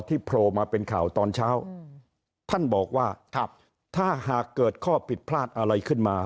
โผล่มาเป็นข่าวตอนเช้าท่านบอกว่าถ้าหากเกิดข้อผิดพลาดอะไรขึ้นมา